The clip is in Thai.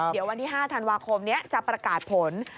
เดี๋ยววันที่๕ธันวาคมนี้จะประกาศผล